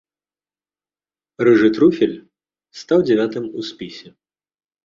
Рыжы труфель стаў дзявятым у спісе.